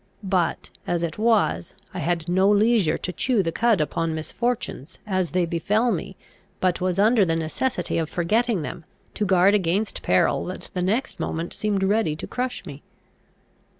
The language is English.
But, as it was, I had no leisure to chew the cud upon misfortunes as they befel me, but was under the necessity of forgetting them, to guard against peril that the next moment seemed ready to crush me.